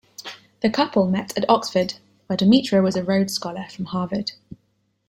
The couple met at Oxford, where Demetra was a Rhodes Scholar, from Harvard.